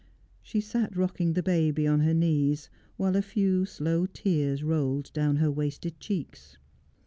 She sat rocking the baby on her knees, while a few slow tears rolled down her wasted cheeks.